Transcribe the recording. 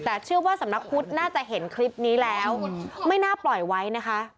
แต่เชื่อว่าสำนักพุทธน่าจะเห็นคลิปนี้แล้วไม่น่าปล่อยไว้นะคะ